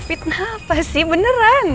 fitnah apa sih beneran